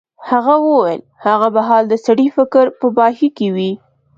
هغه وویل هغه مهال د سړي فکر په ماهي کې وي.